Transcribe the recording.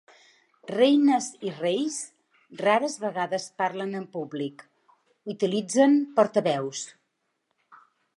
Reines i reis rares vegades parlen en públic: utilitzen portaveus.